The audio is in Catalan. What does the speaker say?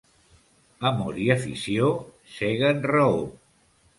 Amor i afició ceguen raó.